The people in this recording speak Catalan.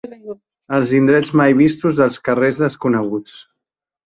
Els indrets mai vistos, dels carrers desconeguts.